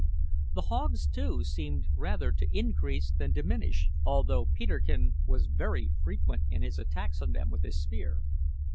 The hogs, too, seemed rather to increase than diminish, although Peterkin was very frequent in his attacks on them with his spear.